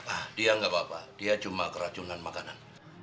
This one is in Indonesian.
ah dia nggak apa apa dia cuma keracunan makanan